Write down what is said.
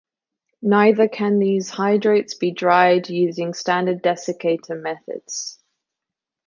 Neither can these hydrates be dried using standard desiccator methods.